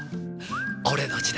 俺の時代。